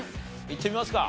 いってみますか！